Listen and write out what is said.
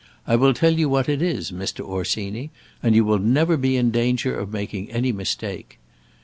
I will tell you what it is, Mr. Orsini, and you will never be in danger of making any mistake.